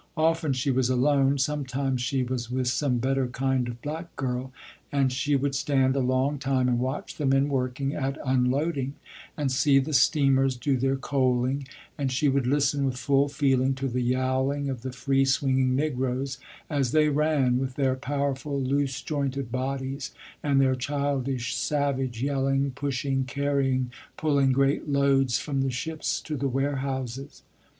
Often she was alone, sometimes she was with some better kind of black girl, and she would stand a long time and watch the men working at unloading, and see the steamers do their coaling, and she would listen with full feeling to the yowling of the free swinging negroes, as they ran, with their powerful loose jointed bodies and their childish savage yelling, pushing, carrying, pulling great loads from the ships to the warehouses.